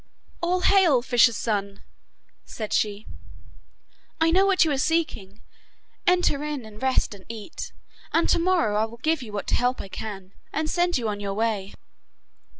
'All hail, fisher's son!' said she. 'I know what you are seeking; enter in and rest and eat, and to morrow I will give you what help I can, and send you on your way.